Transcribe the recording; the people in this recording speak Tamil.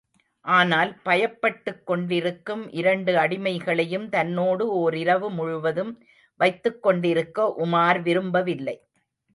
ஆனால் பயப்பட்டுக் கொண்டிருக்கும் இரண்டு அடிமைகளையும் தன்னோடு ஓர் இரவு முழுவதும் வைத்துக் கொண்டிருக்க உமார் விரும்பவில்லை.